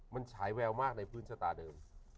มันฉายแววมากในพื้นชะตาเดิม